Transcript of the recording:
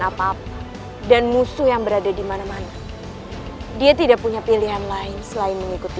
apa apa dan musuh yang berada dimana mana dia tidak punya pilihan lain selain mengikuti